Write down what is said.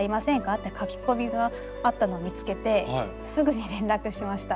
って書き込みがあったのを見つけてすぐに連絡しました。